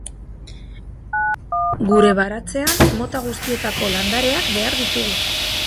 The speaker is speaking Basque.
Gure baratzean mota guztietako landareak behar ditugu.